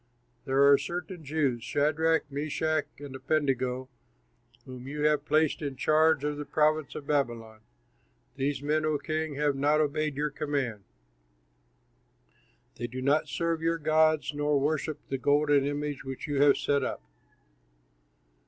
There are certain Jews, Shadrach, Meshach, and Abednego, whom you have placed in charge of the province of Babylon. These men, O king, have not obeyed your command; they do not serve your gods nor worship the golden image which you have set up."